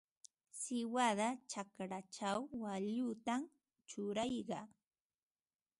Siwada chakrachaw waallutam churarqaa.